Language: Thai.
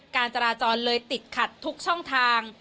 การจราจรเลยติดขัดทุกช่องทาง